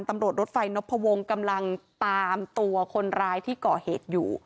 รถไฟนพวงกำลังตามตัวคนร้ายที่ก่อเหตุอยู่